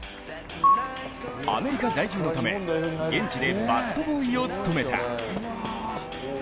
アメリカ在住のため現地でバットボーイを務めた。